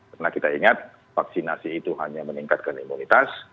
karena kita ingat vaksinasi itu hanya meningkatkan imunitas